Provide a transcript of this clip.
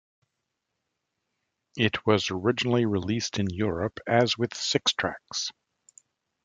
It was originally released in Europe as with six-tracks.